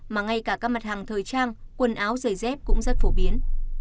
mà ngay cả các mặt hàng thời trang quần áo giày dép cũng rất phổ biến